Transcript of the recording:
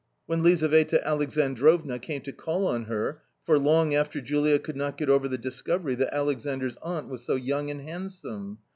When Lizaveta Alexandrovna came to call on her, for long after Julia could not get over the discovery that Alexandras aunt was so young and handsome.